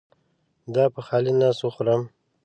دا په خالي نس وخورم؟